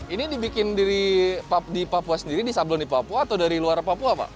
ini dibikin di papua sendiri disablon di papua atau dari luar papua pak